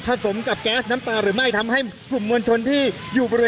ทางกลุ่มมวลชนทะลุฟ้าทางกลุ่มมวลชนทะลุฟ้า